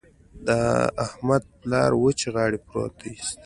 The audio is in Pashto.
د احمد پلار غريب وچې غاړې پروت دی.